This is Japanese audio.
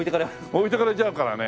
置いていかれちゃうからね。